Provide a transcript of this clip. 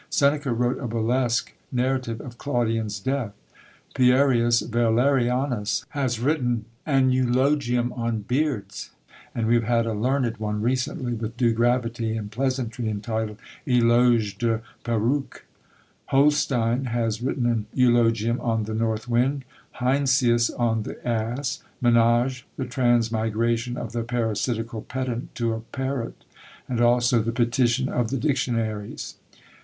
Seneca wrote a burlesque narrative of Claudian's death. Pierius Valerianus has written an eulogium on beards; and we have had a learned one recently, with due gravity and pleasantry, entitled "Eloge de Perruques." Holstein has written an eulogium on the North Wind; Heinsius, on "the Ass;" Menage, "the Transmigration of the Parasitical Pedant to a Parrot;" and also the "Petition of the Dictionaries."